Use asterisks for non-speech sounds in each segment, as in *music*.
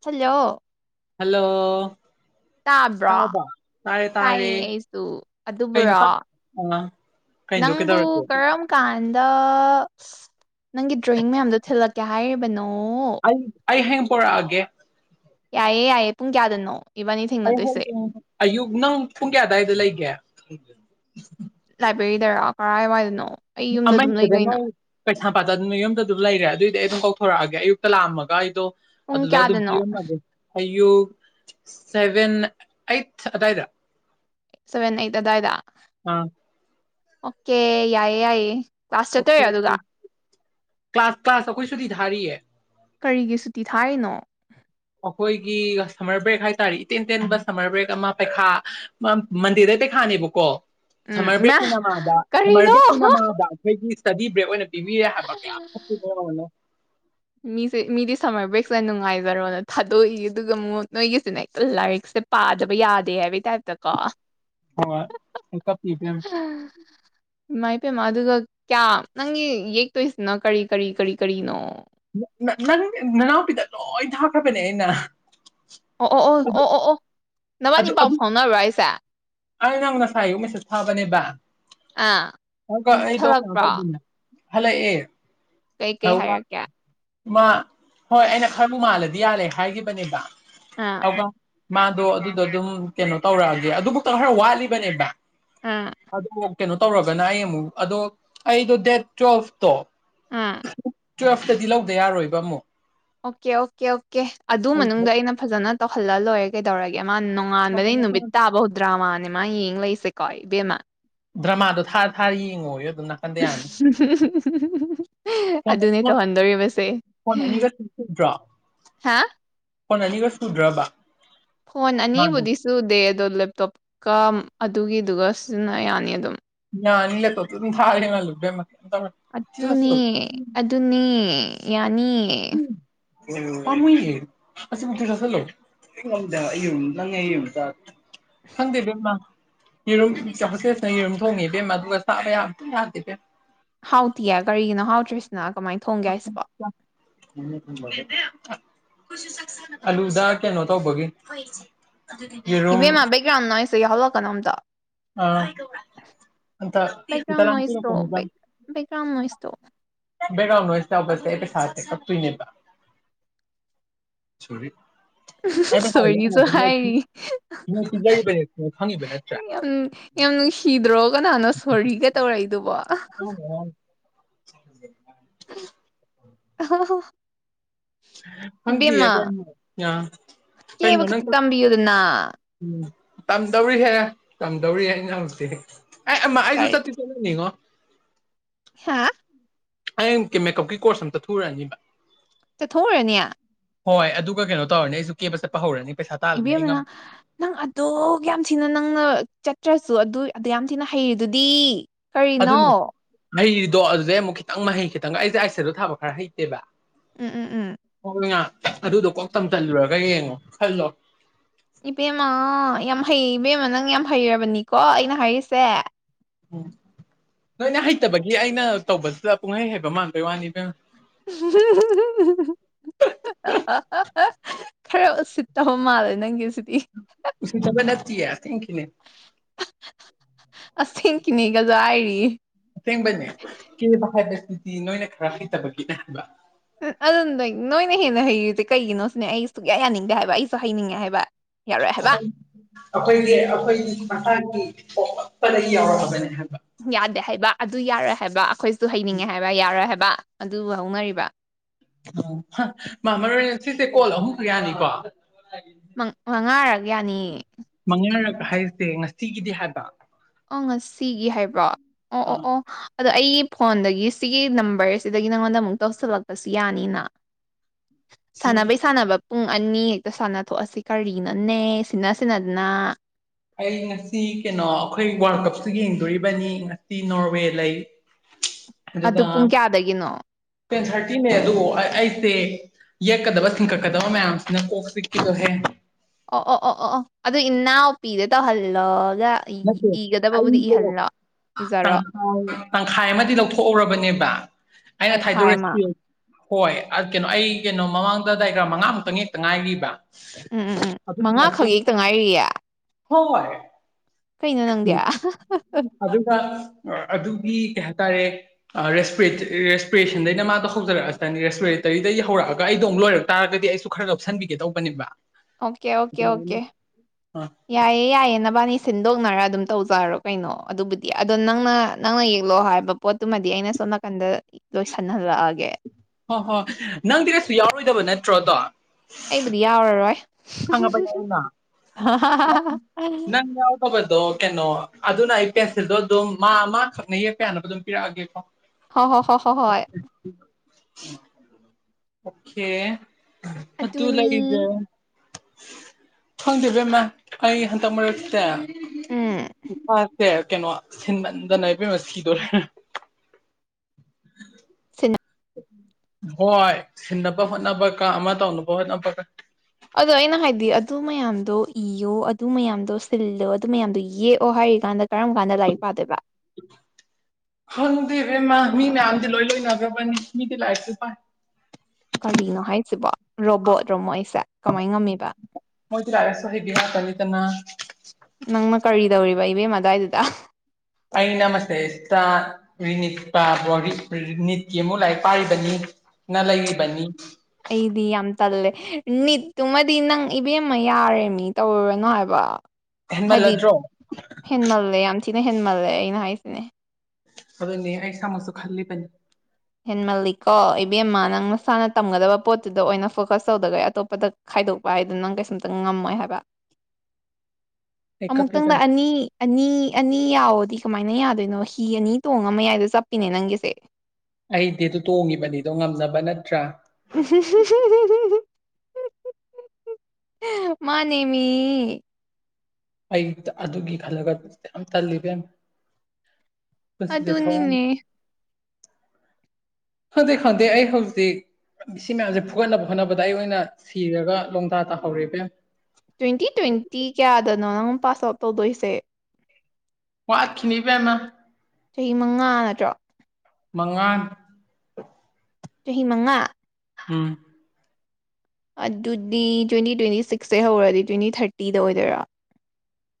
Hello hello ꯇꯥꯕ꯭ꯔꯣ ꯇꯥꯔꯕꯣ ꯇꯥꯔꯦ ꯇꯥꯔꯦ ꯇꯥꯏꯌꯦ ꯑꯩꯁꯨ ꯀꯩꯅꯣ ꯑꯗꯨꯕꯨꯔꯣ ꯑꯥ ꯅꯪꯕꯨ ꯀꯔꯝ ꯀꯥꯟꯗ ꯅꯪꯒꯤ ꯗ꯭ꯔꯣꯌꯤꯡ ꯃꯌꯥꯝꯗꯣ ꯊꯤꯜꯂꯛꯀꯦ ꯍꯥꯏꯔꯤꯕꯅꯣ ꯑꯩ ꯑꯩ ꯍꯌꯦꯡ ꯄꯣꯔꯛꯑꯒꯦ ꯌꯥꯏꯌꯦ ꯌꯥꯏꯌꯦ ꯄꯨꯡ ꯀꯌꯥꯗꯅꯣ ꯏꯕꯥꯅꯤ ꯑꯩ ꯊꯦꯡꯅꯗꯣꯏꯁꯦ ꯍꯌꯦꯡ ꯑꯌꯨꯛ ꯅꯪ ꯄꯨꯡ ꯀꯌꯥ ꯗꯨꯋꯥꯏꯗ ꯂꯩꯒꯦ ꯂꯥꯏꯕ꯭ꯔꯦꯔꯤꯗꯔ ꯀꯔꯥꯏꯋꯥꯏꯗꯅꯣ ꯑꯩ ꯌꯨꯝꯗ ꯑꯥꯏ ꯑꯗꯨꯝ ꯂꯩ ꯀꯗ ꯀꯩꯅꯣ ꯅꯣꯏ *inaudible* ꯀꯩꯁꯥꯝꯄꯥꯠꯇ ꯑꯗꯨꯝ ꯌꯨꯝꯗ ꯑꯗꯨꯝ ꯂꯩꯔꯦ ꯑꯗꯨꯏꯗꯤ ꯑꯩ ꯑꯗꯨꯝ ꯀꯧꯊꯣꯔꯛꯑꯒꯦ ꯑꯌꯨꯛꯇ ꯂꯥꯛꯑꯃꯒ ꯑꯩꯗꯣ ꯄꯨꯡ ꯑꯗꯨꯗ ꯑꯗꯨꯝ ꯀꯌꯥꯗꯅꯣ ꯄꯤꯔꯝꯃꯒꯦ ꯑꯌꯨꯛ ꯁꯚꯦꯟ ꯑꯩꯠ ꯑꯗꯥꯏꯗ ꯁꯦꯕꯟ ꯑꯩꯠꯇ ꯑꯗꯏꯗ ꯑꯥ ꯑꯣꯀꯦ ꯌꯥꯢꯌꯦ ꯌꯥꯏꯌꯦ ꯀ꯭ꯂꯥꯁ ꯑꯣꯀꯦ ꯆꯠꯇꯣꯏꯔꯣ ꯑꯗꯨꯒ ꯑꯣꯀꯦ ꯀ꯭ꯂꯥꯁ ꯀ꯭ꯂꯥꯁ ꯑꯩꯈꯣꯏ ꯁꯨꯗꯤ ꯊꯥꯔꯤꯌꯦ ꯀꯔꯤꯒꯤ ꯁꯨꯇꯤ ꯊꯥꯔꯤꯅꯣ ꯑꯩꯈꯣꯏꯒꯤ ꯁꯝꯃꯔ ꯕ꯭ꯔꯦꯛ ꯍꯥꯏꯇꯥꯔꯦ ꯏꯇꯦꯟ ꯇꯦꯟꯕ ꯁꯝꯃꯔ ꯕ꯭ꯔꯦꯛ ꯑꯃ ꯄꯩꯈꯥ ꯃꯟꯗꯦꯗ ꯄꯩꯈꯥꯅꯦꯕꯀꯣ ꯎꯝ ꯁꯝꯃꯔ ꯏꯃꯥ ꯕ꯭ꯔꯦꯛꯀꯤ ꯅꯃꯥꯗ ꯁꯝꯃꯔ ꯀꯔꯤꯅꯣ ꯕ꯭ꯔꯦꯛꯀꯤ ꯅꯃꯥꯗ ꯑꯩꯈꯣꯏꯒꯤ ꯏꯁꯇꯗꯤ ꯕ꯭ꯔꯦꯛ ꯑꯣꯏꯅ ꯄꯤꯕꯤꯔꯦ ꯍꯥꯏꯕ ꯃꯤꯁꯦ ꯃꯤꯗꯤ ꯁꯝꯃꯔ ꯕ꯭ꯔꯦꯛꯁꯦ ꯅꯨꯡꯉꯥꯏꯖꯔꯣꯅ ꯊꯥꯗꯣꯛꯏ ꯑꯗꯨꯒ ꯑꯃꯨꯛ ꯅꯣꯏꯒꯤꯁꯤꯅ ꯂꯥꯏꯔꯤꯛꯁꯦ ꯄꯥꯗꯕ ꯌꯥꯗꯦ ꯍꯥꯏꯕꯒꯤ ꯇꯥꯏꯞꯇꯀꯣ ꯍ ꯍ *inaudible* ꯢꯃꯥꯢ ꯄꯦꯃ ꯑꯗꯨꯒ ꯀꯌꯥ ꯅꯪꯒꯤ ꯌꯦꯛ ꯌꯦꯛꯇꯣꯏꯁꯤꯅ ꯀꯔꯤ ꯀꯔꯤ ꯀꯔꯤ ꯀꯔꯤꯅꯣ ꯅꯪ ꯅꯅꯥꯎꯄꯤꯗ ꯂꯣꯏ ꯊꯥꯈ꯭ꯔꯕꯅꯦ ꯑꯩꯅ ꯑꯣ ꯑꯣ ꯑꯣ ꯑꯗꯨ ꯑꯣ ꯑꯣ ꯑꯣ ꯅꯕꯥꯅꯤ ꯄꯥꯎ ꯐꯥꯎꯅꯕ꯭ꯔꯥ ꯍꯥꯢꯁꯦ ꯑꯩꯅ ꯉꯁꯥꯏꯕ ꯑꯌꯨꯛ ꯃꯦꯁꯦꯁ ꯊꯥꯕꯅꯦꯕ ꯑꯥ ꯃꯦꯁꯦꯁ ꯑꯩꯗꯣ ꯀꯩꯅꯣ ꯊꯥꯔꯛꯄ꯭ꯔꯣ ꯇꯧꯗꯣꯏꯅꯦ ꯍꯜꯂꯛꯌꯦ ꯀꯩꯀꯩ ꯍꯥꯏꯔꯛꯀꯦ ꯃꯥ ꯍꯣꯏ ꯑꯩꯅ ꯈꯔꯕꯨ ꯃꯥꯜꯂꯗꯤ ꯌꯥꯜꯂꯦ ꯍꯥꯏꯈꯤꯕꯅꯦꯕ ꯑꯥ ꯑꯗꯨꯒ ꯃꯥꯗꯣ ꯑꯗꯨꯗꯣ ꯑꯗꯨꯝ ꯀꯩꯅꯣ ꯇꯧꯔꯛꯑꯒꯦ ꯑꯗꯨ ꯕꯥꯎꯗ ꯈꯔ ꯋꯥꯠꯂꯤꯕꯅꯦꯕ ꯑꯥ ꯑꯗꯣ ꯀꯩꯅꯣ ꯇꯧꯔꯒꯅ ꯑꯩ ꯑꯃꯨꯛ ꯑꯗꯣ ꯑꯩꯗꯣ ꯗꯦꯠ ꯇꯨꯋꯦꯜꯐꯇꯣ ꯑꯥ ꯇꯨꯌꯦꯜꯐꯇꯗꯤ ꯂꯧꯗ ꯌꯥꯔꯣꯏꯕ ꯑꯃꯨꯛ ꯑꯣꯀꯦ ꯑꯣꯀꯦ ꯑꯣꯀꯦ ꯑꯗꯨ ꯃꯅꯨꯡꯗ ꯑꯩꯅ ꯐꯖꯅ ꯇꯧꯍꯜꯂ ꯂꯣꯏꯔꯦ ꯀꯩꯗꯧꯔꯒꯦ ꯃꯥꯅ ꯇꯣꯉꯥꯟꯕꯗꯩ ꯅꯨꯃꯤꯠ ꯇꯥꯐꯥꯎ ꯗ꯭ꯔꯃꯥꯅꯦ ꯃꯥ ꯌꯦꯡ ꯂꯩꯁꯦꯀꯣ ꯏꯕꯦꯝꯃ ꯗ꯭ꯔꯃꯥꯗꯣ ꯊꯥꯔ ꯊꯥꯔ ꯌꯦꯡꯉꯣ ꯑꯗꯨꯅ ꯐꯣꯟ ꯑꯗꯨꯅꯦ ꯐꯣꯟ ꯇꯧꯍꯟꯗꯣꯔꯤꯕꯁꯦ ꯐꯣꯟ ꯑꯅꯤꯒ ꯁ ꯁꯨꯗ꯭ꯔꯣ ꯍꯥ ꯐꯣꯟ ꯑꯅꯤꯒ ꯁꯨꯗ꯭ꯔꯣꯕ ꯐꯣꯟ ꯑꯅꯤꯕꯨꯗꯤ ꯁꯨꯗꯦ ꯑꯗꯣ ꯂꯦꯞꯇꯣꯞꯀ ꯑꯗꯨꯒꯤꯗꯨꯒ ꯁꯤꯖꯤꯟꯅ ꯌꯥꯅꯤ ꯑꯗꯨꯝ ꯌꯥꯅꯤ ꯂꯦꯞꯇꯣꯞꯇꯣ ꯑꯗꯨꯝ ꯊꯥꯔꯒ ꯌꯦꯡꯍꯥꯜꯂꯣ ꯢꯄꯦꯝꯃ ꯑꯗꯨꯅꯦ ꯑꯗꯨꯅꯦ ꯌꯥꯅꯤꯌꯦ ꯑꯃꯣꯏꯦ ꯑꯁꯤꯦ ꯃꯊꯂꯣ *inaudible* ꯑꯩꯉꯣꯟꯗ ꯑꯌꯨꯝ ꯅꯪꯉꯦ ꯑ ꯌꯨꯝꯗ ꯈꯪꯗꯦꯕꯦꯝ ꯏꯃ *inaudible* ꯌꯦꯔꯨꯝꯁꯦꯠꯅ ꯌꯦꯔꯨꯝ ꯊꯣꯡꯉꯦꯕꯦꯝꯃ ꯑꯗꯨꯒ ꯆꯥꯕ ꯌꯥ ꯌꯥꯗꯦꯕꯦꯝ *inaudible* ꯍꯥꯎꯇꯤꯌꯥ ꯀꯔꯤꯒꯤꯅꯣ ꯍꯥꯎꯇ꯭ꯔꯤꯁꯤꯅ ꯀꯃꯥꯏꯅ ꯊꯣꯡꯒꯦ ꯍꯥꯏꯁꯤꯕꯣ *inaudible* ꯑꯂꯨ ꯆꯔꯒ ꯀꯩꯅꯣ ꯇꯧꯕꯒꯤ ꯏꯕꯦꯝꯃ ꯌꯦꯔꯨꯝ ꯕꯦꯛꯒ꯭ꯔꯥꯎꯟ ꯅꯣꯁꯇꯣ ꯌꯥꯎꯍꯜꯂꯛꯀꯅꯣ ꯑꯝꯇ ꯑ ꯑ ꯏꯇ ꯂꯇ ꯅ ꯀꯣ *inaudible* ꯕꯦꯛ꯭ꯔꯥꯝꯣꯣꯏꯁꯣ ꯦꯛꯒ꯭ꯔꯥꯎꯟꯕꯁꯦ ꯑꯩ ꯄꯩꯁꯥꯦ ꯀꯞꯇꯣꯏꯅꯦꯕ ꯁꯣꯔꯤ ꯑꯩ ꯁꯣꯅꯤꯁꯨ ꯄꯩꯁꯥꯁꯦ ꯍꯥꯏ ꯅꯣꯏ ꯄꯤꯖꯔꯤꯕꯅꯦ ꯈꯪꯉꯤꯕ ꯅꯠꯇ꯭ꯔꯥ ꯌꯥꯝ ꯌꯥꯝ ꯅꯨꯡꯁꯤꯗ꯭ꯔꯣ ꯀꯅꯥꯅꯣ ꯁꯣꯔꯤꯒ ꯇꯧꯔꯛꯏꯗꯨꯕꯣ ꯍ ꯍ ꯍ ꯍꯪ ꯀꯤꯌꯦꯦ ꯑ ꯀꯩꯅꯣ ꯀꯦꯕ ꯅꯪ ꯈꯛꯇ ꯇꯝꯕꯤꯌꯨꯗꯅ ꯎꯝ ꯇꯝꯗꯧꯔꯤꯍꯦ ꯇꯝꯗꯧꯔꯤꯦ ꯑꯩꯅ ꯍꯧꯛꯇꯦ ꯑꯩ ꯑꯃ ꯑꯩꯁꯨ ꯀꯔꯤ ꯆꯠꯇ ꯀꯅꯤꯉ ꯍꯥ ꯍꯌꯦꯡ ꯃꯦꯀꯞꯀꯤ ꯀꯣꯔꯁ ꯑꯝꯇ ꯊꯨꯔꯛꯑꯅꯤꯕ ꯇ ꯊꯣꯡꯎꯔꯅꯤ ꯍꯣꯏ ꯑꯗꯨꯒ ꯀꯩꯅꯣ ꯇꯧꯔꯅꯤ ꯑꯩꯁꯨ ꯀꯦꯞ ꯆꯠꯄ ꯍꯧꯔꯅꯤ ꯄꯩꯁꯥ ꯇꯥꯜꯂꯅꯤ ꯑꯩ ꯉꯝ ꯏꯕꯦꯝꯃꯦꯅ ꯅꯪ ꯑꯗꯨ ꯌꯥꯝ ꯊꯤꯅ ꯅꯪꯅ ꯆꯠꯇ꯭ꯔꯁꯨ ꯑꯗꯨ ꯑꯗꯨ ꯌꯥꯝ ꯊꯤꯅ ꯍꯩꯔꯗꯨꯗꯤ ꯑꯗꯨꯅꯦ ꯃꯍꯩꯗꯣ ꯑꯗꯨꯗꯩ ꯑꯃꯨꯛ ꯈꯤꯇꯪ ꯃꯍꯩ ꯈꯤꯇꯪꯒ ꯑꯩꯁꯦ ꯑꯥꯏꯁꯦꯗꯣ ꯊꯥꯕ ꯈꯔ ꯍꯩꯇꯦꯕ ꯎꯝ ꯎꯝ ꯎꯝ ꯍꯣꯃꯌꯥꯝ ꯑꯗꯨꯗꯣ ꯀꯣꯛ ꯇꯝ ꯇꯜꯂꯨꯔꯒ ꯌꯦꯡꯉꯣ ꯈꯜꯂꯣ ꯏꯕꯦꯝꯃ ꯌꯥꯝ ꯍꯩ ꯏꯕꯦꯝꯃ ꯅꯪ ꯌꯥꯝ ꯍꯩꯔꯕꯅꯤꯀꯣ ꯑꯩꯅ ꯍꯥꯏꯔꯤꯁꯦ ꯎꯝ ꯅꯣꯏꯅ ꯍꯩꯇꯕꯒꯤ ꯑꯩꯅ ꯇꯧꯕꯁꯤꯗ ꯄꯨꯡꯍꯩ ꯍꯩꯕ ꯃꯥꯟꯕ ꯋꯥꯅꯤ ꯏꯕꯦꯝꯃ *unintelligible* ꯍ ꯍ ꯍ ꯍ ꯍ ꯈꯔ ꯎꯁꯤꯠꯇꯕ ꯃꯥꯜꯂꯦ ꯅꯪꯒꯤꯁꯤꯗꯤ ꯎꯁꯤꯠꯇꯕ ꯅꯠꯇꯤꯌꯦ ꯑꯁꯦꯡꯀꯤꯅꯦ ꯑꯁꯦꯡꯀꯤꯅꯦꯒꯖꯨ ꯍꯥꯏꯔꯤꯌꯦ ꯑꯁꯦꯡꯕꯅꯦ ꯀꯦꯕ ꯍꯥꯏꯕꯁꯤꯗꯤ ꯅꯣꯏꯅ ꯈꯔ ꯍꯩꯇꯕꯒꯤꯅꯦ ꯍꯥꯏꯕ ꯑꯗꯨꯅꯗ ꯅꯣꯏꯅ ꯍꯦꯟꯅ ꯍꯩꯔꯤꯨꯁꯦ ꯀꯩꯒꯤꯅꯣ ꯁꯤꯅꯦ ꯑꯩ ꯁꯨꯛꯌꯥ ꯌꯥꯅꯤꯡꯗꯦ ꯍꯥꯏꯕ ꯑꯩꯁꯨ ꯍꯩꯅꯤꯡꯉꯦ ꯍꯥꯏꯕ ꯌꯥꯔꯣꯏ ꯍꯥꯏꯕ ꯑꯩꯣꯏ ꯑꯩꯈꯣꯏꯒꯤ ꯑꯩꯈꯣꯏꯒꯤ ꯃꯁꯥꯒꯤ ꯄꯣꯛꯂꯛꯄꯅ ꯌꯥꯎꯔꯛꯑꯕꯅꯦ ꯍꯥꯏꯕ ꯌꯥꯗꯦ ꯍꯥꯏꯕ ꯑꯗꯨ ꯌꯥꯔꯣꯏ ꯍꯥꯏꯕ ꯑꯩꯈꯣꯏꯁꯨ ꯍꯩꯅꯤꯡꯉꯦ ꯍꯥꯏꯕ ꯌꯥꯔꯣꯏ ꯍꯥꯏꯕ ꯑꯗꯨꯕꯨ ꯍꯧꯅꯔꯤꯕ ꯎ ꯃꯥꯃꯣꯏ ꯁꯤꯁꯦ ꯀꯣꯜ ꯑꯍꯨꯝꯈꯛ ꯌꯥꯅꯤꯀꯣ ꯃꯉꯥꯔ ꯌꯥꯅꯤ ꯃꯉꯥꯔꯛ ꯍꯥꯏꯔꯤꯁꯦ ꯉꯁꯤꯒꯤꯗꯤ ꯍꯥꯏꯕ ꯑꯪ ꯉꯁꯤꯒꯤ ꯍꯥꯏꯕ꯭ꯔꯣ ꯑꯣ ꯑꯣ ꯑꯣ ꯑꯗꯣ ꯑꯩꯒꯤ ꯐꯣꯟꯗꯒꯤ ꯁꯤꯒꯤ ꯅꯝꯕꯔꯁꯤꯗꯒꯤ ꯅꯪꯉꯣꯟꯗ ꯑꯃꯨꯛ ꯇꯧꯁꯤꯜꯂꯛꯄꯁꯨ ꯌꯥꯅꯤꯅ ꯎ ꯁꯥꯟꯅꯕꯩ ꯁꯥꯟꯅꯕ ꯄꯨꯡ ꯑꯅꯤ ꯍꯦꯛꯇ ꯁꯥꯟꯅꯊꯣꯛꯑꯁꯤ ꯀꯔꯤꯅꯅꯦ ꯁꯤꯅ ꯁꯤꯟꯅꯗꯅ ꯑꯩ ꯉꯁꯤ ꯀꯩꯅꯣ ꯑꯩꯈꯣꯏ ꯋꯥꯔꯜ ꯀꯞꯁꯨ ꯌꯦꯡꯗꯣꯔꯤꯕꯅꯤ ꯉꯁꯤ ꯅꯣꯔꯋꯦ ꯂꯩ ꯑꯗꯨꯒ ꯑꯗꯨ ꯄꯨꯡ ꯀꯌꯥꯗꯒꯤꯅꯣ ꯇꯦꯟ ꯊꯥꯔꯇꯤꯅꯦ ꯑꯗꯣ ꯑꯩꯁꯦ ꯌꯦꯛꯀꯗꯕ ꯁꯤꯡꯀꯠꯀꯗꯕ ꯃꯌꯥꯝꯁꯤꯅ ꯀꯣꯛ ꯆꯤꯛꯄꯤꯗꯣꯍꯦ ꯑꯣ ꯑꯣ ꯑꯣ ꯑꯣ ꯑꯣ ꯑꯗꯨ ꯏꯅꯥꯎꯄꯤꯗ ꯇꯧꯍꯜꯂꯣꯒ ꯅꯠꯇꯦ ꯏꯒꯗꯕꯕꯨꯗꯤ ꯑꯩꯗꯣ ꯏꯍꯜꯂꯣ ꯏꯖꯔꯣ ꯇꯪꯈꯥꯏ ꯇꯪꯈꯥꯏ ꯑꯃꯗꯤ ꯂꯧꯊꯣꯛꯍꯧꯔꯕꯅꯦꯕ ꯑꯩꯅ ꯊꯥꯏꯗꯣ ꯇꯪꯈꯥꯏ ꯑꯃ ꯔꯦꯁꯄꯤꯔꯦ ꯍꯣꯏ ꯑ ꯀꯩꯅꯣ ꯑꯩ ꯀꯩꯅꯣ ꯃꯃꯥꯡꯗ ꯗꯥꯏꯒ꯭ꯔꯥꯝ ꯃꯉꯥꯃꯨꯛꯇꯪ ꯌꯦꯛꯇ ꯉꯥꯏꯔꯤꯕ ꯎꯝ ꯎꯝ ꯎꯝ ꯑꯗꯨꯒꯤ ꯃꯉꯥꯈꯛ ꯃꯇꯨꯡ ꯌꯦꯛꯇ ꯉꯥꯏꯔꯤꯌꯦ ꯍꯣꯏ ꯀꯩꯅꯣ ꯎ ꯅꯪꯗꯤ ꯑꯗꯨꯒ ꯑꯗꯨꯒꯤ ꯀꯩ ꯍꯥꯏꯇꯥꯔꯦ ꯑ ꯔꯦꯁꯄꯤꯔꯦꯇꯔꯤ ꯔꯦꯁꯄꯤꯔꯦꯁꯟꯗꯩꯅ ꯃꯥꯗꯣ ꯍꯧꯖꯔꯛꯑꯁꯅꯤ ꯔꯦꯁꯄꯤꯔꯦꯇꯔꯤꯗꯩ ꯍꯧꯔꯛꯒ ꯑꯩꯗꯣ ꯑꯃꯨꯛ ꯂꯣꯏꯔꯛ ꯇꯥꯔꯒꯗꯤ ꯑꯩꯁꯨ ꯈꯔ ꯂꯧꯁꯟꯕꯤꯒꯦ ꯇꯧꯕꯅꯦꯕ ꯑꯣꯀꯦ ꯑꯣꯀꯦ ꯑꯣꯀꯦ ꯑꯗꯨꯃꯥꯏꯅ ꯑ ꯌꯥꯏꯌꯦ ꯌꯥꯏꯌꯦ ꯅꯕꯥꯅꯤ ꯁꯤꯟꯗꯣꯛꯅꯔ ꯑꯗꯨꯝ ꯇꯧꯖꯔꯣ ꯀꯩꯅꯣ ꯑꯗꯨꯕꯨꯗꯤ ꯑꯗꯣ ꯅꯪꯅ ꯅꯪꯅ ꯌꯦꯛꯂꯣ ꯍꯥꯏꯕ ꯄꯣꯠꯇꯨꯃꯗꯤ ꯑꯩꯅ ꯁꯣꯝ ꯅꯥꯀꯟꯗ ꯂꯣꯏꯁꯟꯍꯜꯂꯛꯑꯒꯦ꯫ ꯍꯣ ꯍꯣ ꯅꯪꯗꯤ ꯀꯩꯁꯨ ꯌꯥꯎꯔꯣꯏꯗꯕ ꯅꯠꯇ꯭ꯔꯣꯗꯣ ꯑꯩꯕꯨꯗꯤ ꯌꯥꯎꯔꯔꯣꯏ ꯍꯝ ꯍꯝ ꯈꯪꯉꯕꯅꯦ ꯍꯝ ꯑꯩꯅ ꯍꯝ ꯑꯍꯥ ꯍ ꯍ ꯍ ꯍ ꯑꯐꯕꯗꯣ ꯀꯩꯅꯣ ꯑꯗꯨꯅ ꯑꯩ ꯄꯦꯟꯁꯤꯜꯗꯣ ꯑꯗꯨꯝ ꯃꯥ ꯃꯥ ꯈꯛꯅ ꯌꯦꯛꯄ ꯌꯥꯅꯕ ꯑꯗꯨꯝ ꯄꯤꯔꯛꯑꯒꯦꯀꯣ ꯍ ꯍꯣ ꯍꯣ ꯍꯣ ꯍꯣꯏ ꯑꯣꯈꯦ ꯑꯗꯨ ꯑꯗꯨꯅꯤ ꯂꯩꯔꯦ꯫ ꯈꯪꯗꯦꯕꯦꯝꯃ ꯑꯩ ꯍꯟꯇꯛ ꯃꯔꯛꯁꯦ ꯎꯝ ꯈꯨꯐ ꯁꯦ ꯀꯩꯅꯣ ꯁꯤꯟꯃꯟꯗꯅ ꯏꯕꯦꯝꯃ ꯁꯤꯗꯣꯔꯦ꯫ ꯁꯤꯅꯥ ꯍꯣꯏ ꯁꯤꯟꯅꯕ ꯍꯣꯠꯅꯕꯒ ꯑꯃ ꯇꯧꯅꯕ ꯍꯣꯠꯅꯕꯒ ꯑꯗꯣ ꯑꯩꯅ ꯍꯥꯏꯗꯤ ꯑꯗꯨ ꯃꯌꯥꯝꯗꯣ ꯏꯌꯣ ꯑꯗꯨ ꯃꯌꯥꯝꯗꯣ ꯁꯤꯜꯂꯣ ꯑꯗꯨ ꯃꯌꯥꯝꯗꯣ ꯌꯦꯛꯑꯣ ꯍꯥꯏꯔꯤꯀꯥꯟꯗ ꯀꯔꯝ ꯀꯥꯟꯗ ꯂꯥꯏꯔꯤꯛ ꯄꯥꯗꯣꯏꯕ *inaudible* ꯈꯪꯗꯦꯕꯦꯝꯃ ꯃꯤ ꯃꯌꯥꯝꯗꯤ ꯂꯣꯏ ꯂꯣꯏꯅꯒ꯭ꯔꯕꯅꯤ ꯃꯤꯗꯤ ꯂꯥꯏꯔꯤꯛꯁꯨ ꯄꯥꯏ ꯀꯔꯤꯅꯣ ꯍꯥꯏꯁꯤꯕꯣ ꯔꯣꯕꯣꯠꯔꯣ ꯃꯣꯏꯁꯦ ꯀꯃꯥꯏ ꯉꯝꯃꯤꯕ ꯃꯣꯏꯗꯤ ꯂꯥꯏꯔꯤꯛ ꯂꯥꯏꯁꯨ ꯍꯩꯕꯤ ꯉꯥꯛꯇꯅꯤꯗꯅ ꯅꯪꯅ ꯀꯔꯤꯗꯧꯔꯤꯕ ꯏꯕꯦꯝꯃ ꯑꯗꯨꯋꯥꯏꯗꯨꯗ ꯑꯩꯅꯃꯁꯦ ꯏꯁꯗ ꯔꯤꯅꯤꯠ ꯔꯤꯅꯤꯠꯀꯤ ꯑꯃꯨꯛ ꯂꯥꯏꯔꯤꯛ ꯄꯥꯔꯤꯕꯅꯤꯅ ꯂꯩꯔꯤꯕꯅꯤ꯫ ꯑꯩꯗꯤ ꯌꯥꯝ ꯇꯜꯂꯦ ꯅꯤꯠꯇꯨꯃꯗꯤ ꯅꯪ ꯏꯕꯦꯝꯃ ꯌꯥꯔꯦ ꯃꯤ ꯇꯧꯔꯨꯔꯅꯨ ꯍꯥꯏꯕ ꯍꯥꯏꯗꯤ ꯍꯦꯟꯃꯜꯂꯗ꯭ꯔꯣ ꯍꯦꯟꯃꯜꯂꯦ ꯌꯥꯝ ꯊꯤꯅ ꯍꯦꯟꯃꯜꯂꯦ ꯑꯩꯅ ꯍꯥꯏꯁꯤꯅꯦ꯫ ꯑꯗꯨꯅꯦ ꯑꯩ ꯏꯁꯥꯃꯛꯁꯨ ꯈꯜꯂꯤꯕꯅꯤ꯫ ꯍꯦꯟꯃꯜꯂꯤꯀꯣ ꯏꯕꯦꯝꯃ ꯅꯪ ꯅꯁꯥꯅ ꯇꯝꯒꯗꯕ ꯄꯣꯠꯇꯨꯗ ꯑꯣꯏꯅ ꯐꯣꯀꯁ ꯇꯧꯗꯒꯦ ꯑꯇꯣꯞꯄꯗ ꯈꯥꯏꯗꯣꯛꯄ ꯍꯥꯏꯗꯅ ꯅꯪ ꯀꯩꯁꯨꯝꯇ ꯉꯝꯃꯣꯏ ꯍꯥꯏꯕ *inaudible* ꯑꯃꯨꯛꯇꯪꯗ ꯀꯞꯄꯤꯕꯅꯤ ꯑꯅꯤ꯫ ꯑꯅꯤ ꯑꯅꯤ ꯌꯥꯎꯑꯣꯗꯤ ꯀꯃꯥꯏꯅ ꯌꯥꯗꯣꯏꯅꯣ ꯍꯤ ꯑꯅꯤ ꯇꯣꯡꯉ ꯃꯌꯥꯏꯗ ꯆꯞꯄꯤꯅꯦ ꯅꯪꯒꯤꯁꯦ꯫ ꯑꯩꯗꯤ ꯑꯗꯨ ꯇꯣꯡꯉꯤꯕꯅꯤꯗꯣ ꯉꯝꯅꯕ ꯅꯠꯇ꯭ꯔꯥ ꯃꯥꯅꯦꯃꯤ꯫ ꯑꯩ ꯑꯗꯨꯒꯤ ꯈꯜꯂꯒ ꯌꯥꯝ ꯇꯜꯂꯤ ꯏꯕꯦꯝ꯫ ꯄꯨꯟꯁꯤꯁꯦ ꯊꯋꯣꯡ ꯑꯗꯨꯅꯤꯅꯦ ꯈꯪꯗꯦ ꯈꯪꯗꯦ ꯑꯩ ꯍꯧꯖꯤꯛ ꯁꯤ ꯃꯌꯥꯝꯁꯦ ꯐꯨꯒꯠꯅꯕ ꯍꯣꯠꯅꯕꯗ ꯑꯩ ꯑꯣꯏꯅ ꯁꯤꯔꯒ ꯂꯣꯡꯗꯥ ꯇꯥꯍꯧꯔꯦ ꯏꯕꯦꯝꯃ ꯇ꯭ꯋꯦꯟꯇꯤ ꯇ꯭ꯋꯦꯟꯇꯤ ꯀꯌꯥꯗꯅꯣ ꯅꯪ ꯄꯥꯁ ꯑꯥꯎꯠ ꯇꯧꯗꯣꯏꯁꯦ꯫ ꯋꯥꯠꯈꯤꯅꯤ ꯏꯕꯦꯝꯃ ꯆꯍꯤ ꯃꯉꯥ ꯅꯠꯇ꯭ꯔꯣ? ꯃꯉꯥ ꯆꯍꯤ ꯃꯉꯥ ꯎꯝ ꯑꯗꯨꯗꯤ ꯇ꯭ꯋꯦꯟꯇꯤ ꯇ꯭ꯋꯦꯟꯇꯤ ꯁꯤꯛꯁꯁꯦ ꯍꯧꯔꯗꯤ ꯇ꯭ꯋꯦꯟꯇꯤ ꯊꯥꯔꯇꯤꯗ ꯑꯣꯏꯗꯣꯏꯔꯥ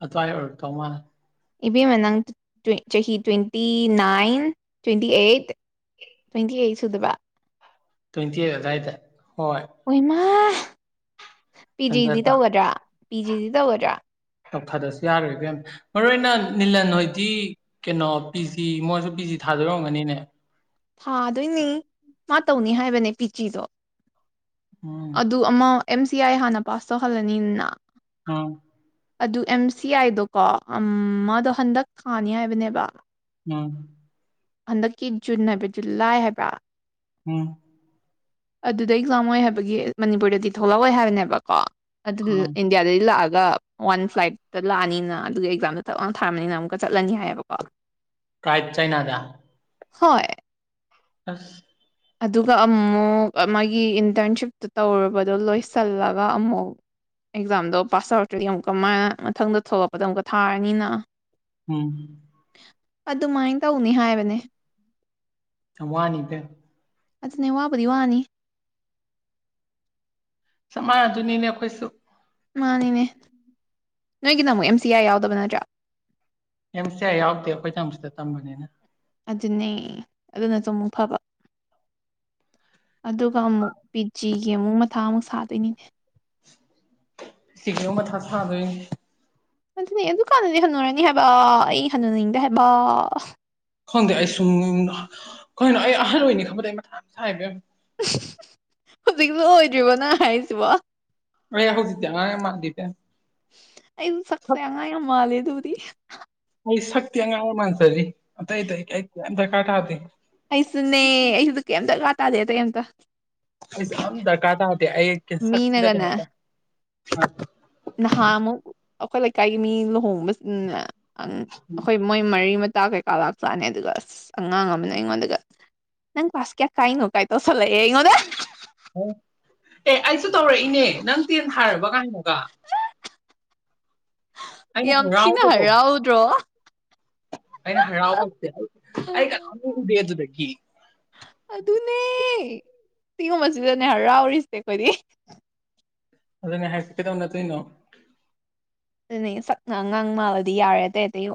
ꯑꯗꯨꯋꯥꯎ ꯑꯣꯏꯔꯛꯇꯥꯑꯣ ꯃꯥꯜꯂꯦ꯫ ꯏꯕꯦꯝꯃ ꯅꯪ ꯆꯍꯤ twenty nine twenty eight twenty eight ꯁꯗꯕꯥ ꯇ꯭ꯋꯦꯟꯇꯤ ꯑꯩꯠ ꯑꯗꯨꯋꯥꯏꯗ ꯍꯣꯏ ꯑꯣꯏꯃꯥ ꯄꯤ ꯇꯟꯖꯥ ꯖꯤꯗꯤ ꯆꯥ ꯇꯧꯒꯗ꯭ꯔꯥ ꯄꯤ ꯖꯤꯗꯤ ꯇꯧꯒꯗ꯭ꯔꯥ ꯐꯗꯁꯨ ꯌꯥꯔ ꯀ ꯃꯔꯨ ꯑꯣꯏꯅ ꯅꯤꯂꯟ ꯍꯣꯏꯗꯤ ꯀꯩꯅꯣ ꯄꯤ ꯖꯤ ꯃꯣꯏꯁꯨ ꯄꯤ ꯖꯤ ꯊꯥꯖꯔꯝꯒꯅꯤꯅꯦ꯫ ꯊꯥꯗꯣꯏꯅꯤ ꯃꯥ ꯇꯧꯅꯤ ꯍꯥꯏꯕꯅꯦ ꯄꯤꯆꯤꯗꯣ ꯎꯝ ꯑꯗꯨ ꯑꯃ ꯑꯦꯝ ꯁꯤ ꯑꯥꯏ ꯍꯥꯟꯅ ꯄꯥꯁ ꯇꯧꯍꯜꯂꯅꯤꯅ ꯑꯥ ꯑꯗꯨ ꯑꯦꯝ ꯁꯤ ꯑꯥꯏꯗꯣꯀꯣ ꯃꯥꯗꯣ ꯍꯟꯗꯛ ꯀꯥꯅꯤ ꯍꯥꯏꯕꯅꯦꯕ ꯎꯝ ꯍꯟꯗꯛꯀꯤ ꯖꯨꯟ ꯍꯥꯏꯕ ꯖꯨꯟ ꯂꯥꯏ ꯍꯥꯏꯕ꯭ꯔ ꯎꯝ ꯑꯗꯨꯗ ꯑꯦꯛꯖꯥꯝ ꯑꯣꯏ ꯍꯥꯏꯕꯒꯤ ꯃꯅꯤꯄꯨꯔꯗꯗꯤ ꯊꯣꯛꯂꯛꯑꯣꯏ ꯍꯥꯏꯕꯅꯦꯕꯀꯣ ꯑꯗꯨ ꯎꯝ ꯏꯟꯗꯤꯌꯥꯗꯒꯤ ꯂꯥꯛꯑꯒ ꯋꯥꯟ ꯐ꯭ꯂꯥꯏꯠꯇ ꯂꯥꯛꯑꯅꯤꯅ ꯑꯗꯨꯒ ꯑꯦꯛꯖꯥꯝꯗ ꯊꯞ ꯂ ꯊꯥꯔꯕꯅꯤꯅ ꯑꯃꯨꯛꯀ ꯆꯠꯂꯅꯤ ꯍꯥꯏꯌꯦꯕꯀꯣ ꯀꯥꯏ ꯆꯥꯏꯅꯅꯥꯗ ꯍꯣꯏ ꯑꯁ ꯑꯗꯨꯒ ꯑꯃꯨꯛ ꯃꯥꯒꯤ ꯏꯟꯇꯔꯟꯁꯤꯞꯇ ꯇꯧꯔꯨꯕꯗꯣ ꯂꯣꯏꯁꯤꯜꯂꯒ ꯑꯃꯨꯛ ꯑꯦꯛꯖꯥꯝꯗꯣ ꯄꯥꯁ ꯑꯥꯎꯠꯇ꯭ꯔꯗꯤ ꯑꯃꯨꯛꯀ ꯀ ꯃꯥꯏꯅ ꯃꯊꯪꯗ ꯊꯣꯛꯂꯛꯄꯗ ꯑꯃꯨꯛꯀ ꯊꯥꯔꯅꯤꯅ ꯎꯝ ꯑꯗꯨꯃꯥꯏꯅ ꯇꯧꯅꯤ ꯍꯥꯏꯕꯅꯦ ꯋꯥꯅꯤ ꯄꯦ ꯑꯗꯨꯅꯦ ꯋꯥꯕꯨꯗꯤ ꯋꯥꯅꯤ ꯁꯃꯥꯅ ꯑꯗꯨꯅꯤꯅꯦ ꯑꯩꯈꯣꯏꯁꯨ ꯃꯥꯅꯤꯅꯦ ꯅꯣꯏꯒꯤꯅ ꯑꯃꯨꯛ ꯑꯦꯝ ꯁꯤ ꯑꯥꯏ ꯌꯥꯎꯗꯕ ꯅꯠꯇ꯭ꯔꯥ ꯑꯦꯝ ꯁꯤ ꯑꯥꯏ ꯌꯥꯎꯗꯦ ꯑꯩꯈꯣꯏ ꯆꯪꯁꯤꯗ ꯇꯝꯕꯅꯤꯅ ꯑꯗꯨꯅꯦ ꯑꯗꯨꯅꯁꯨ ꯑꯃꯨꯛ ꯐꯕ ꯑꯗꯨꯒ ꯑꯃꯨꯛ ꯄꯤꯖꯤꯒꯤ ꯑꯃꯨꯛ ꯃꯊꯥ ꯑꯃꯨꯛ ꯁꯥꯗꯣꯏꯅꯤꯅꯦ ꯁꯤꯒ ꯑꯃ ꯃꯊꯥ ꯁꯥꯗꯣꯏꯅꯦ ꯑꯗꯨꯅꯤ ꯑꯗꯨ ꯀꯥꯟꯗꯗꯤ ꯍꯟꯅꯨꯔꯅꯤ ꯍꯥꯏꯕ ꯑꯩ ꯍꯟꯅꯅꯤꯡꯗꯦ ꯍꯥꯏꯕ ꯈꯪꯗꯦ ꯑꯩ ꯁꯨꯝ ꯀꯅꯣ ꯑꯩ ꯑꯍꯜ ꯑꯣꯏꯅꯤ ꯈꯪꯕꯗ ꯑꯩ ꯃꯊꯥ ꯌꯥꯝ ꯁꯥꯏ ꯍꯧꯖꯤꯛꯁꯨ ꯑꯣꯏꯗ꯭ꯔꯤꯕꯣ ꯅꯪ ꯍꯥꯏꯔꯤꯁꯤꯕꯣ *unintelligible* ꯑꯩꯁꯨ ꯁꯛꯁꯦ ꯁꯛ ꯑꯉꯥꯡ ꯌꯥꯝ ꯃꯥꯂꯦ ꯑꯗꯨꯕꯨꯗꯤ ꯑꯩ ꯁꯛꯇꯤ ꯑꯉꯥꯡ ꯃꯥꯟꯖꯔꯤ ꯑꯇꯩ ꯑꯇꯩ ꯑꯩ ꯌꯥꯝ ꯗꯔꯀꯥꯔ ꯇꯥꯗꯦ ꯑꯩꯁꯨꯅꯦ ꯑꯩꯁꯨꯗ ꯀꯩꯝ ꯗꯔꯀꯥꯔ ꯇꯥꯗꯦ ꯑ ꯀꯩꯝꯇ ꯑꯗ ꯀꯥꯇ ꯑꯩ ꯀ ꯃꯤꯅꯒꯅꯦ ꯅꯍꯥ ꯑꯃꯨꯛ ꯑꯩꯈꯣꯏ ꯂꯩꯀꯥꯏꯒꯤ ꯃꯤ ꯂꯨꯍꯣꯡ ꯑꯩꯈꯣꯏ ꯃꯣꯏ ꯃꯔꯤ ꯃꯇꯥ ꯀꯩꯀꯥ ꯂꯥꯛ ꯆꯥꯅꯦ ꯑꯗꯨꯒ ꯑꯁ ꯑꯉꯥꯡ ꯑꯃꯅ ꯑꯩꯉꯣꯟꯗꯒ ꯅꯪ ꯐꯕꯥꯥꯁ ꯀꯌꯥ ꯀꯥꯏꯅꯣ ꯀꯥꯏ ꯇꯣꯁꯂꯦ ꯏꯉꯣꯟꯗ ꯑꯣ ꯑꯦ ꯑꯩꯁꯨ ꯇꯧꯔꯛꯏꯅꯦ ꯅꯪ ꯇꯦꯟ ꯊꯔꯕ ꯀꯥꯏꯅꯣꯒ ꯑꯩꯅ ꯌꯥꯝ ꯊꯤꯅ ꯍꯔꯥꯎꯕꯗꯣ ꯍꯔꯥꯎꯗ꯭ꯔꯣ ꯑꯩꯅ ꯍꯔꯥꯎꯕꯁꯦ ꯑꯩ ꯑꯩ ꯑꯃ ꯎꯗꯦ ꯑꯗꯨꯗꯒꯤ ꯑꯗꯨꯅꯦ ꯁꯤꯤꯒꯨꯝꯕꯁꯤꯗꯅꯦ ꯍꯔꯥꯎꯔꯤꯁꯦ ꯑꯩꯈꯣꯏꯗꯤ ꯑꯗꯨꯅꯦ ꯍꯥꯏꯍꯥꯛ ꯀꯩꯗꯧ ꯅꯠꯇꯣꯏꯅꯣ ꯑꯗꯨꯅꯦ ꯁꯛꯅ ꯉꯥꯡꯃꯑꯗꯤ ꯌꯥꯔꯦ ꯑꯇꯩ ꯑꯇꯩ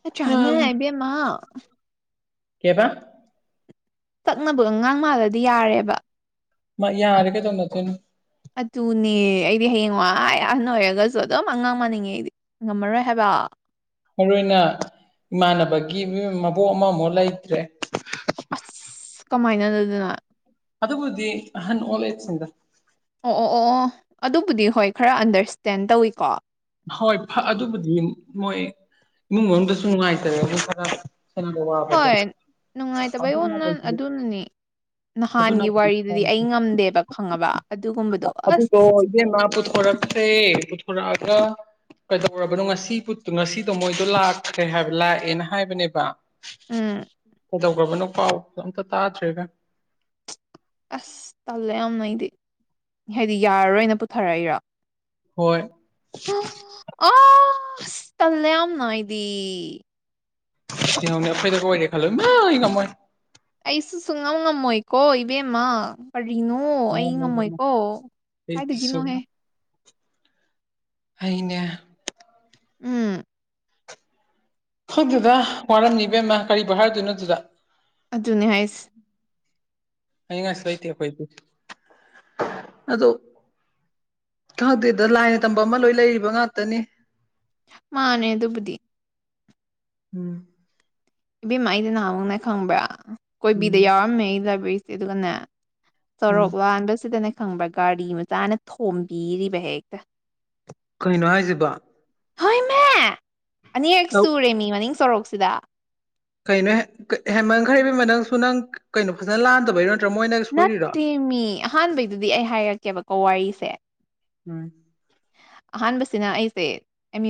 *unintelligible* *unintelligible* ꯇꯛꯅꯕꯒ ꯑꯉꯥꯡ ꯃꯥꯜꯂꯗꯤ ꯌꯥꯔꯦꯕ ꯃꯥ ꯌꯥꯔꯦꯒꯩꯗꯧ ꯑꯗꯨꯏꯅ ꯑꯗꯨꯅꯦ ꯑꯩꯗꯤ ꯍꯌꯦꯡ ꯋꯥꯏ ꯑꯍꯟ ꯑꯣꯏꯔꯒꯁꯨ ꯑꯗꯨꯝ ꯑꯉꯥꯡ ꯃꯅꯤꯡꯉꯦ ꯑꯩꯗꯤ ꯉꯝꯃꯔꯣꯏ ꯍꯥꯏꯕ ꯃꯔꯨ ꯑꯣꯏꯅ ꯏꯃꯥꯟꯅꯕꯒꯤ ꯃꯕꯣꯛ ꯑꯃꯃꯨꯛ ꯂꯩꯇ꯭ꯔꯦ ꯑ ꯀꯃꯥꯏꯅ ꯑꯗꯨꯗꯅ ꯑꯗꯨꯕꯨꯗꯤ ꯑꯍꯟ ꯑꯣꯜ ꯑꯦꯖꯁꯤꯡꯗ ꯑꯣ ꯑꯣ ꯑꯣ ꯑꯗꯨꯕꯨꯗꯤ ꯍꯣꯏ ꯈꯔ ꯑꯟꯗꯔꯁꯇꯦꯟ ꯇꯧꯏꯤꯀꯣ ꯍꯣꯏ ꯑꯗꯨꯕꯨꯗꯤ ꯃꯣꯏ ꯏꯃꯨꯡ ꯃꯅꯨꯡꯗꯁꯨ ꯅꯨꯡꯉꯥꯏꯇꯔꯦ ꯑꯗꯨ ꯈꯔ ꯍꯣꯏ ꯅꯨꯡꯉꯥꯏꯇꯕꯩ ꯑꯣꯅ ꯑꯗꯨꯅꯅꯤ ꯅꯍꯥꯟꯒꯤ ꯋꯥꯔꯤꯗꯨꯗꯤ ꯑꯩ ꯉꯝꯗꯦꯕ ꯈꯪꯉꯕ ꯑꯗꯨꯒꯨꯝꯕꯗꯣ ꯑꯁ *unintelligible* *unintelligible* *unintelligible* ꯀꯩꯗꯧꯔꯕꯅꯣ ꯉꯁꯤ ꯉꯁꯤꯗꯣ ꯃꯣꯏꯗꯣ ꯂꯥꯛꯈ꯭ꯔꯦ ꯍꯥꯏꯕ ꯂꯥꯛꯑꯦꯅ ꯍꯥꯏꯕꯅꯦꯕ ꯎꯝ ꯀꯩꯗꯧꯕꯅꯣ ꯄꯥꯎꯒꯥ ꯑꯝꯇ ꯇꯥꯗ꯭ꯔꯤꯗ ꯑꯁ ꯇꯜꯂꯦ ꯌꯥꯝꯅ ꯑꯩꯗꯤ ꯍꯥꯏꯗꯤ ꯌꯥꯔꯔꯣꯏꯅ ꯄꯨꯊꯔꯛꯏꯔꯣ ꯍꯣꯏ ꯑ ꯇꯜꯂꯦ ꯌꯥꯝꯝꯅ ꯑꯩꯗꯤ ꯑꯩꯈꯣꯏꯗ ꯑꯣꯏꯔꯦ ꯈꯜꯂ ꯏꯃ ꯑꯩ ꯉꯝꯃꯣꯏ ꯑꯩꯁꯨ ꯁꯨꯡ ꯉꯝ ꯉꯝꯃꯣꯏꯀꯣ ꯏꯕꯦꯝꯃ ꯀꯔꯤꯅꯣ ꯑꯩ ꯉꯝꯃꯣꯏ ꯉꯝꯃꯣꯏ ꯉꯝꯃꯣꯏꯀꯣ ꯑꯩꯗꯤ ꯀꯥꯏꯗꯒꯤꯅꯣꯍꯦ ꯁꯨꯡꯉꯝ ꯑꯩꯅ ꯎꯝ ꯑꯗꯨꯗ ꯋꯥꯔꯝꯅꯤꯕꯦꯝꯃ ꯀꯔꯤꯕꯤ ꯍꯥꯏꯔꯗꯣꯏꯅꯣ ꯑꯗꯨꯗ ꯑꯗꯨꯅꯦ ꯍꯥꯏꯁꯤ ꯑꯩ ꯉꯥꯏꯁꯤ ꯂꯩꯇ ꯑꯩꯈꯣꯏꯗꯤ ꯑꯗꯣ ꯈꯪꯗꯦꯗ ꯂꯥꯏꯅ ꯇꯝꯕ ꯑꯃ ꯂꯣꯏ ꯂꯩꯔꯤꯕ ꯉꯥꯛꯇꯅꯤ ꯃꯥꯅꯦ ꯑꯗꯨꯕꯗꯤ ꯎꯝ ꯏꯕꯦꯝꯃ ꯑꯩꯗꯤ ꯅꯍꯥꯟꯃꯨꯛꯅꯦ ꯈꯪꯕ꯭ꯔꯥ ꯀꯣꯏꯕꯤꯗ ꯎꯝ ꯌꯥꯎꯔꯝꯃꯦ ꯑꯩꯖꯦ ꯂꯥꯏꯕꯦꯔꯤꯁꯦ ꯑꯗꯨꯒꯅꯦ ꯎꯝ ꯁꯣꯔꯣꯛ ꯂꯥꯟꯕꯁꯤꯗꯅꯦ ꯈꯪꯕ꯭ꯔꯥ ꯒꯥꯔꯤ ꯃꯆꯥꯅ ꯊꯣꯝꯕꯤꯔꯤꯕ ꯍꯦꯛꯇ ꯀꯩꯅꯣ ꯍꯥꯏꯖꯤꯕꯣ ꯍꯣꯏꯃꯤ ꯑꯅꯤꯔꯛ ꯑꯧ ꯁꯨꯔꯦꯃꯤ ꯃꯅꯤꯡ ꯁꯣꯔꯣꯛꯁꯤꯗ ꯀꯩꯅꯣꯍꯦ ꯀꯩ ꯍꯦꯃꯟꯈ꯭ꯔꯦ ꯏꯕꯦꯝꯃ ꯅꯪꯁꯨ ꯅꯪ ꯀꯩꯅꯣ ꯐꯖꯅ ꯂꯥꯟꯗꯕꯩꯔꯣ ꯅꯠꯇ꯭ꯔ ꯃꯣꯏꯅ ꯁꯣꯏꯔꯤꯔꯣ ꯅꯠꯇꯦꯃꯤ ꯑꯍꯥꯟꯕꯩꯗꯨꯗꯤ ꯑꯩ ꯍꯥꯏꯔꯛꯀꯦꯕꯀꯣ ꯋꯥꯔꯤꯁꯦ ꯎꯝ ꯑꯍꯥꯟꯕꯁꯤꯅ ꯑꯩꯁꯦ ꯑꯦꯝ